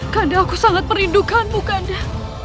khanda aku sangat merindukanmu khanda